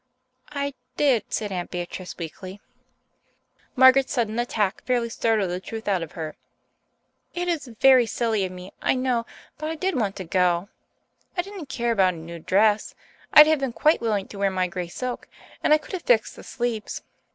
"I did," said Aunt Beatrice weakly. Margaret's sudden attack fairly startled the truth out of her. "It is very silly of me, I know, but I did want to go. I didn't care about a new dress. I'd have been quite willing to wear my grey silk, and I could have fixed the sleeves.